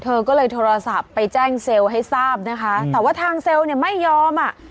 เธอก็เลยโทรศัพท์ไปแจ้งเซลล์ให้ทราบนะคะแต่ว่าทางเซลล์เนี่ยไม่ยอมอ่ะ